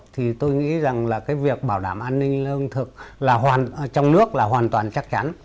thì tôi nghĩ rằng là cái việc bảo đảm an ninh lương thực là trong nước là hoàn toàn chắc chắn